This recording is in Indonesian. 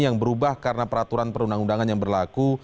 yang berubah karena peraturan perundang undangan yang berlaku